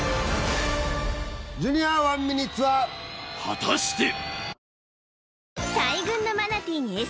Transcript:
果たして？